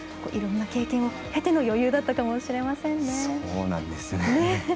いろんな経験を経ての余裕だったのかもしれませんね。